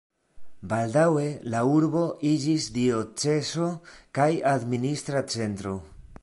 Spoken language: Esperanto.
Baldaŭe la urbo iĝis diocezo kaj administra centro.